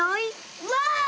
うわ！